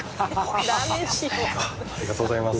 ありがとうございます。